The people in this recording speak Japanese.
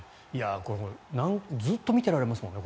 ずっと見ていられますもんね。